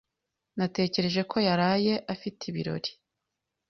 Natekereje ko yaraye afite ibirori.